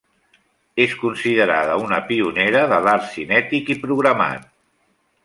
És considerada una pionera de l'art cinètic i programat.